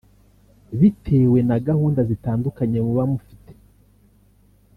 Bitewe na gahunda zitandukanye muba mufite